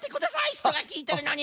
ひとがきいてるのに！